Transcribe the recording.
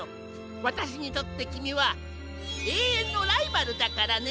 わたしにとってきみはえいえんのライバルだからね。